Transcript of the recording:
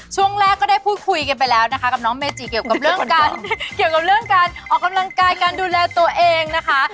ช่วงแรกก็ได้พูดคุยกันไปแล้วนะคะกับน้องเมจิเกี่ยวกับเรื่องการออกกำลังกายการดูแลตัวเองนะคะ